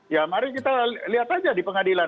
ya mari kita lihat aja di pengadilan